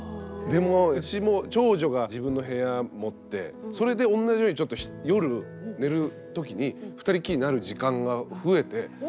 でもうちも長女が自分の部屋持ってそれで同じようにちょっと夜寝る時に二人っきりになる時間が増えて。